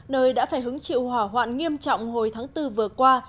nơi đã phải hứng chịu hỏa hoạn nghiêm trọng hồi tháng bốn vừa qua